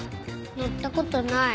乗ったことない。